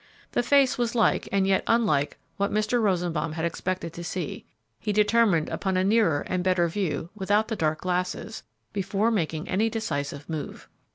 The face was like and yet unlike what Mr. Rosenbaum had expected to see; he determined upon a nearer and better view, without the dark glasses, before making any decisive move.